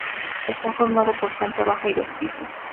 Está formado por planta baja y dos pisos.